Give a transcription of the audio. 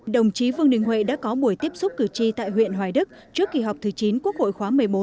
đồng chí vương đình huệ đã có buổi tiếp xúc cử tri tại huyện hoài đức trước kỳ họp thứ chín quốc hội khóa một mươi bốn